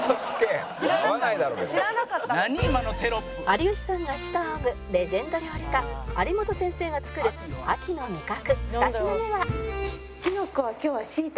有吉さんが師と仰ぐレジェンド料理家有元先生が作る秋の味覚２品目は